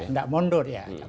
nggak mundur ya